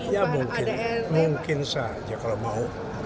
ya mungkin mungkin saja kalau mau